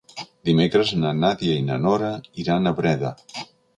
Dimecres na Nàdia i na Nora iran a Breda.